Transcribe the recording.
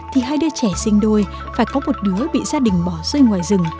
thì hai đứa trẻ sinh đôi phải có một đứa bị gia đình bỏ rơi ngoài rừng